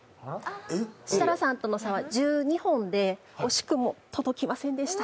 設楽さんとの差は１２本で惜しくも届きませんでした。